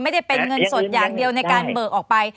ไม่ได้เป็นเงินสดอย่างเดียวในการเบิกออกไป